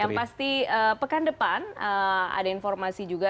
yang pasti pekan depan ada informasi juga